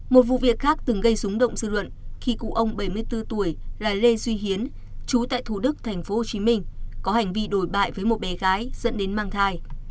một vụ việc khác từng gây rúng động dư luận khi cụ ông bảy mươi bốn tuổi là lê duy hiến chú tại thủ đức tp hcm có hành vi đổi bại với một bé gái dẫn đến mang thai